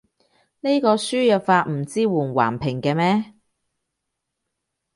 呢個輸入法唔支援橫屏嘅咩？